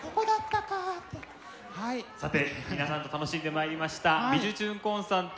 さて皆さんと楽しんでまいりました「びじゅチューン！